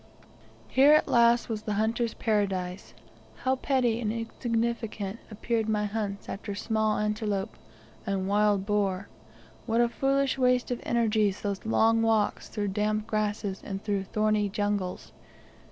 Here at last was the hunter's Paradise! How petty and insignificant appeared my hunts after small antelope and wild boar what a foolish waste of energies those long walks through damp grasses and through thorny jungles!